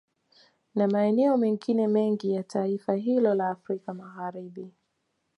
Na maeneo mengine mengi ya taifa hilo la Afrika Magharibi